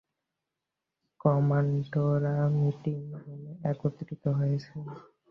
কমান্ডাররা meeting রুমে একত্রিত হয়েছেন।